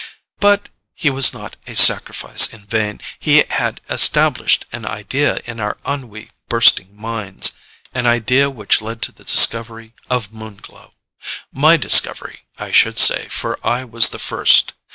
But his was not a sacrifice in vain. He had established an idea in our ennui bursting minds. An idea which led to the discovery of Moon Glow. My discovery, I should say, for I was the first.